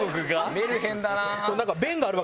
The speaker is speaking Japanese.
メルヘンだなぁ。